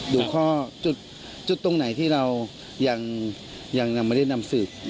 ดูข้อจุดตรงไหนที่เรายังไม่ได้นำสืบ